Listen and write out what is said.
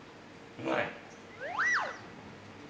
うまい？